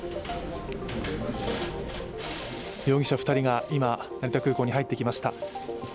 容疑者２人が今、成田空港に入ってきました。